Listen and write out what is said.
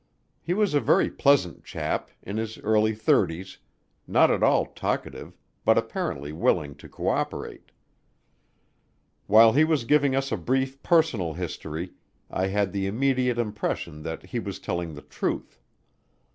He was a very pleasant chap, in his early thirties, not at all talkative but apparently willing to co operate. While he was giving us a brief personal history, I had the immediate impression that he was telling the truth.